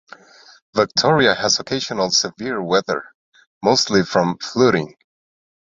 Victoria has occasional severe weather, mostly from flooding.